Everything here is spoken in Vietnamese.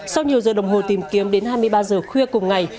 sau nhiều giờ đồng hồ tìm kiếm đến hai mươi ba giờ khuya cùng ngày